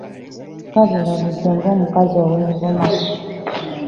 Kabula buggyo ng'omukazi ow'envuma .